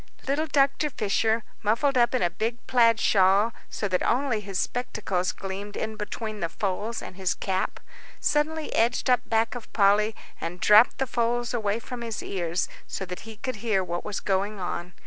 Little Dr. Fisher, muffled up in a big plaid shawl so that only his spectacles gleamed in between the folds and his cap, suddenly edged up back of Polly, and dropped the folds away from his ears so that he could hear what was going on.